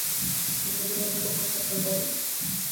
তিনি তা বিনয়ের সঙ্গে প্রত্যাখান করেন।